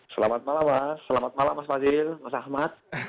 selamat malam mas selamat malam mas fadil mas ahmad